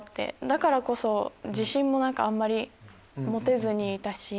だからこそ自信もあんまり持てずにいたし。